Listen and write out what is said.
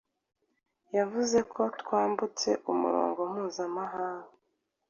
Yavuze ko twambutse Umurongo Mpuzamahanga.